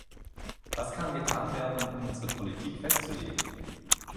Was kann getan werden, um unsere Politik festzulegen?